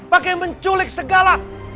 pakai menculik segala